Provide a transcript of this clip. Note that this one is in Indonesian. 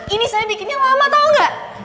ini saya bikin yang lama tau gak